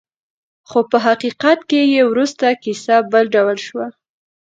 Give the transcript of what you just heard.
خو په حقیقت کې وروسته کیسه بل ډول شوه.